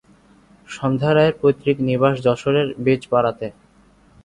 সন্ধ্যা রায়ের পৈতৃক নিবাস যশোরের বেজপাড়াতে।